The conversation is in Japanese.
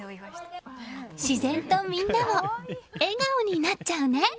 自然とみんなも笑顔になっちゃうね。